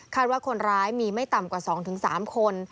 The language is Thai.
ว่าคนร้ายมีไม่ต่ำกว่า๒๓คน